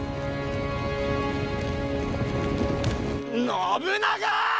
信長！